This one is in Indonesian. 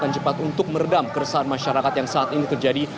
dan cepat untuk meredam keresahan masyarakat yang saat ini terjadi